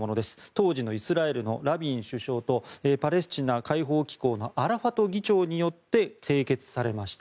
当時のイスラエルのラビン首相とパレスチナ解放機構のアラファト議長によって締結されました。